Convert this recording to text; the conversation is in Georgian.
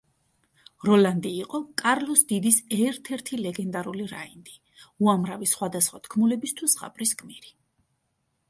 როლანდი იყო კარლოს დიდის ერთ-ერთი ლეგენდარული რაინდი, უამრავი სხვადასხვა თქმულების თუ ზღაპრის გმირი.